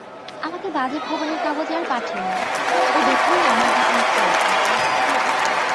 আমাকে বাজে খবরের কাগজ আর পাঠিও না, ও দেখলেই আমার গা আঁতকে ওঠে।